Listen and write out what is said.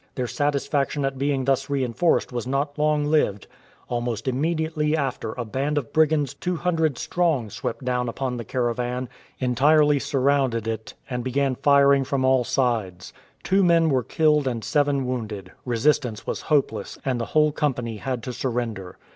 Their satisfaction at being thus reinforced was not long lived. Almost immediately after a band of brigands i^OO strong swept down upon the cara van, entirely surrounded it, and began firing from all sides. Two men were killed and seven wounded; resistance was hopeless, and the whole company had to surrender.